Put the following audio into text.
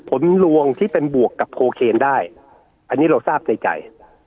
ผลลวงที่เป็นบวกกับโคเคนได้อันนี้เราทราบในใจ